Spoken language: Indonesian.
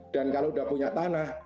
dan kalau sudah punya tanah